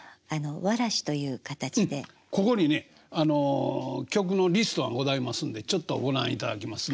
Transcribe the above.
ここにねあの曲のリストがございますんでちょっとご覧いただきますね。